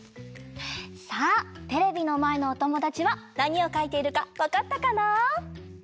さあテレビのまえのおともだちはなにをかいているかわかったかな？